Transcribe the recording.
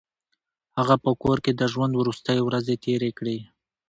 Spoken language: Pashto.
هغه په کور کې د ژوند وروستۍ ورځې تېرې کړې.